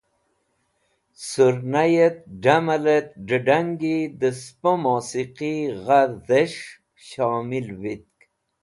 Sẽrnayet, damalẽt dẽdangi dẽ spo mosiqi gha dhes̃h shomil vitk.